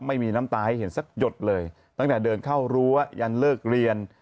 ไม่มีน้ำตาให้เห็นสักหยดเลยตั้งแต่เดินเข้ารั้วยันเลิกเรียน